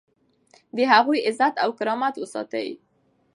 د هغوی عزت او کرامت وساتئ.